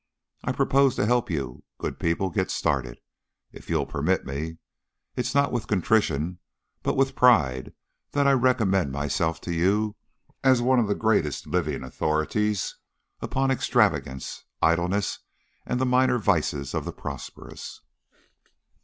I propose to help you good people get started, if you'll permit me. It is not with contrition, but with pride, that I recommend myself to you as one of the greatest living authorities upon extravagance, idleness, and the minor vices of the prosperous."